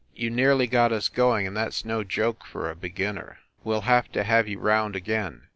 You nearly got us going and that s no joke for a beginner. We ll have to have you round again.